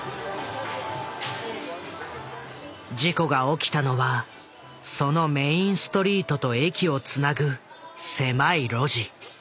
事故が起きたのはそのメインストリートと駅をつなぐ狭い路地。